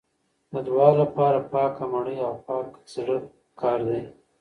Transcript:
د دعا لپاره پاکه مړۍ او پاک زړه پکار دی.